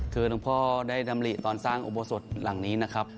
คือหลวงพ่อได้ดำริตอนสร้างอุโบสถหลังนี้นะครับ